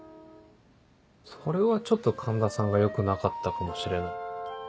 それはちょっと環田さんがよくなかったかもしれ。